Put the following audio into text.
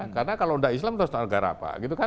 karena kalau tidak islam terus negara apa